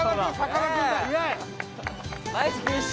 ナイスフィッシュ！